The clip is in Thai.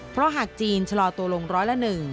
เพราะหากจีนชะลอตัวลงร้อยละ๑